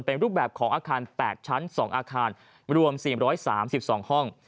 เป็นรูปแบบของอาคาร๘ชั้น๒อาคารรวม๔๓๒ห้อง